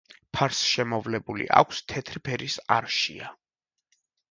ფარს შემოვლებული აქვს თეთრი ფერის არშია.